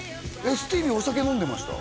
スティーヴィーお酒飲んでました？